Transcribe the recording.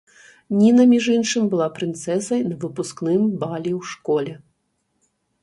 Ніна, між іншым, была прынцэсай на выпускным балі ў школе.